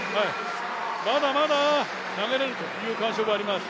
まだまだ投げれるという感触はあります。